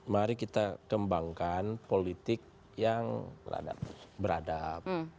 mari kita kembangkan politik yang beradab